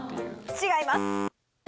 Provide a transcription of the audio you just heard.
違います！